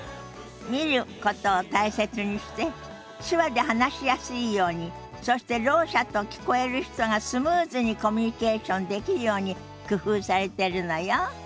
見ることを大切にして手話で話しやすいようにそしてろう者と聞こえる人がスムーズにコミュニケーションできるように工夫されてるのよ。